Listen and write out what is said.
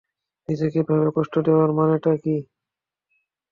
নিজেকে এভাবে কষ্ট দেওয়ার মানেটা কী?